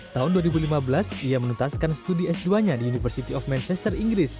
tahun dua ribu lima belas ia menuntaskan studi s dua nya di university of manchester inggris